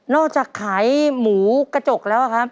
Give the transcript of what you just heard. จากขายหมูกระจกแล้วครับ